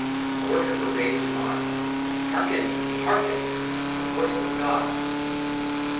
A WORSHIPPER RAISED HIS ARM. HEARKEN ! HEARKEN ! THE VOICE OF GOD !